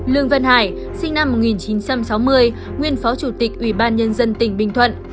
lương văn hải sinh năm một nghìn chín trăm sáu mươi nguyên phó chủ tịch ủy ban nhân dân tỉnh bình thuận